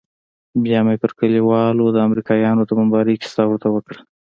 بيا مې پر كليوالو د امريکايانو د بمبارۍ كيسه ورته وكړه.